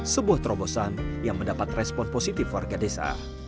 sebuah terobosan yang mendapat respon positif warga desa